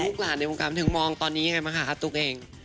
ลูกหลานในวงกรรมถึงมองตอนนี้ให้มาหาฮัตตุกเอง